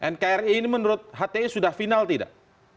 nkri ini menurut hti sudah final tidak